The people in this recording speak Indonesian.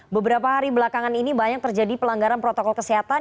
beberapa hari belakangan ini banyak terjadi pelanggaran protokol kesehatan